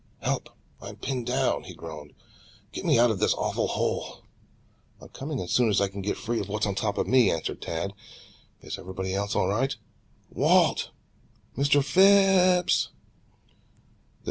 "Help, I'm pinned down," he groaned. "Get me out of this awful hole." "I'm coming as soon as I can get free of what's on top of me," answered Tad. "Is everybody else all right? W a l t! Mr. Phi ipp s!"